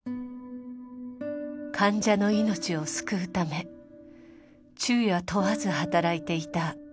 患者の命を救うため昼夜問わず働いていた松田医師。